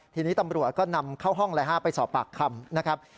ทีนี้ตำรวจก็นำเข้าห้องเลยฮะไปสอบปากคำนะครับ